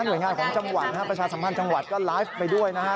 หน่วยงานของประชาสัมพันธ์จังหวัดก็ไลฟ์ไปด้วยนะครับ